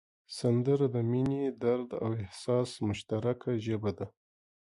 سندره د مینې، درد او احساس مشترکه ژبه ده